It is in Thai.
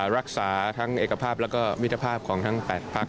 รักษาทั้งเอกภาพและก็วิทยาภาพของทั้ง๘ภาค